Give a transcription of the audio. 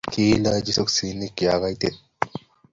Kiilochi sokiseni ya kaitit